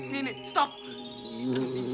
mini tunggu nimpik